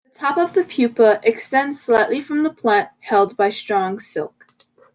The top of the pupa extends slightly from the plant, held by strong silk.